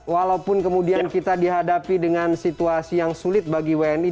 walaupun kemudian kita dihadapi dengan situasi yang sulit bagi wni